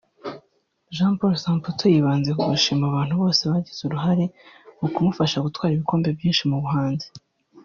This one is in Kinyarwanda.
Jean Paul Samputu yibanze ku gushima abantu bose bagize uruhare mu kumufasha gutwara ibikombe byinshi mu buhanzi